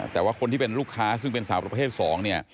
แต่ว่าคนที่เป็นลูกค้าซึ่งเป็นสาวประเภท๒เนี่ย